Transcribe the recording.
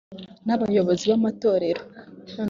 n abayobozi b amatorero